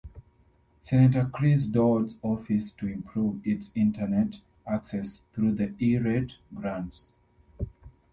Senator Chris Dodd's office to improve its Internet access through the E-rate grants.